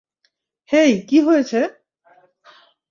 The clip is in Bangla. হেই কি হয়েছে?